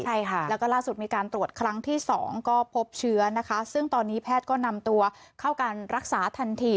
ใช่ค่ะแล้วก็ล่าสุดมีการตรวจครั้งที่สองก็พบเชื้อนะคะซึ่งตอนนี้แพทย์ก็นำตัวเข้าการรักษาทันที